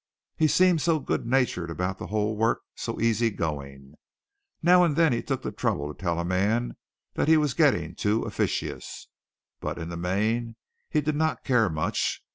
He seemed so good natured about the whole work so easy going. Now and then he took the trouble to tell a man that he was getting too officious, but in the main he did not care much.